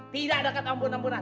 tidak ada ketampunan tampunan